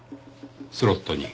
スロットに。